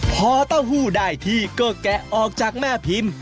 พอเต้าหู้ได้ที่ก็แกะออกจากแม่พิมพ์